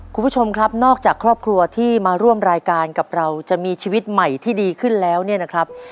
คุณผู้ชมครับนอกจากครอบครัวที่มาร่วมรายการกับเราจะมีชีวิตใหม่ที่ดีขึ้นแล้วเนี่ยนะครับ